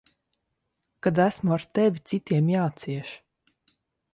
Kad esmu ar tevi, citiem jācieš.